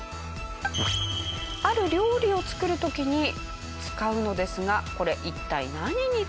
ある料理を作る時に使うのですがこれ一体何に使う道具なのでしょうか？